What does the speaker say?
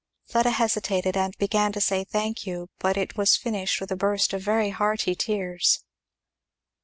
Fleda hesitated and began to say, "Thank you," but it was finished with a burst of very hearty tears.